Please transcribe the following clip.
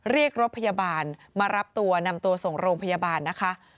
เรียกรถพยาบาลมารับตัวนำตัวส่งโรงพยาบาลนะคะ